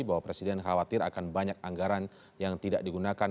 bahwa presiden khawatir akan banyak anggaran yang tidak digunakan